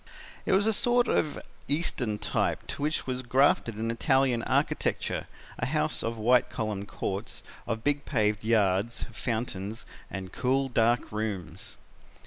"It was a sort of Eastern type to which was grafted an Italian architecture a house of white columned courts, of big paved yards, fountains and cool, dark rooms.